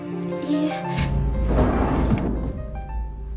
いいえ。